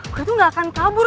gue tuh gak akan kabur